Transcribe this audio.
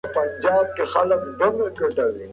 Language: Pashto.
تاريخ بايد په دقت سره مطالعه کړئ.